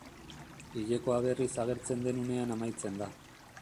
Hilekoa berriz agertzen den unean amaitzen da.